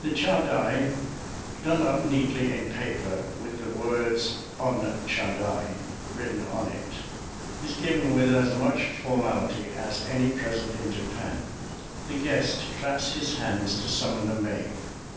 The chadai, done up neatly in paper, with the words On chadai written on it, is given with as much formality as any present in Japan. The guest claps his hands to summon the maid.